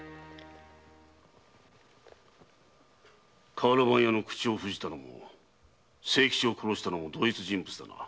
瓦版屋の口を封じたのも清吉を殺したのも同一人物だな。